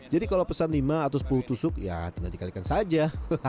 jadi kalau pesan lima atau sepuluh tusuk ya tinggal dikalikan saja